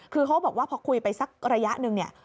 คือเขาบอกว่าพอคุยไปสักระยะหนึ่งเนี่ย